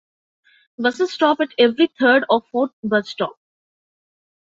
Buses stop at every third or fourth bus stop.